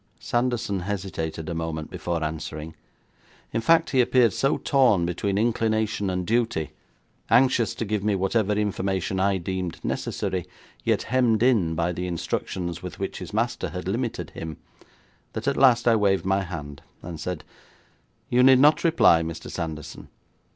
Sanderson hesitated a moment before answering; in fact, he appeared so torn between inclination and duty; anxious to give me whatever information I deemed necessary, yet hemmed in by the instructions with which his master had limited him, that at last I waved my hand and said: 'You need not reply, Mr. Sanderson.